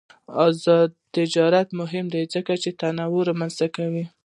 آزاد تجارت مهم دی ځکه چې تنوع رامنځته کوي.